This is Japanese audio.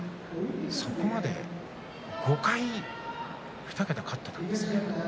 そこまで５回２桁勝っていたんですね。